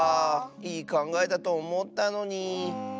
いいかんがえだとおもったのに。